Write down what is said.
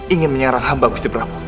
ingin menyerang hamba gusti prabu